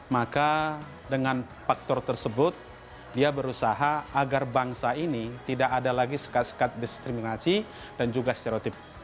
maka dengan faktor tersebut dia berusaha agar bangsa ini tidak ada lagi sekat sekat diskriminasi dan juga stereotip